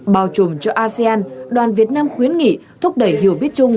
bao trùm cho asean đoàn việt nam khuyến nghị thúc đẩy hiểu biết chung